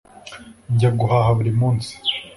njya guhaha buri munsi